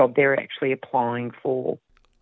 bergantian dari pekerjaan yang mereka gunakan